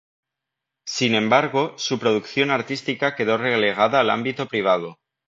Sin embargo, su producción artística quedó relegada al ámbito privado.